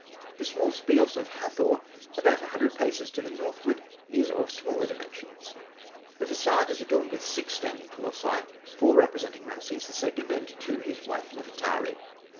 The small speos of Hathor, about a hundred paces to the northward, is of smaller dimensions. The façade is adorned with six standing colossi, four representing Rameses II., and two his wife, Nefertari.